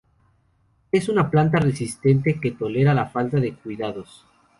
Es una planta resistente que tolera la falta de cuidados.